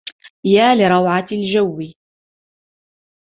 يا لروعة الجوّ!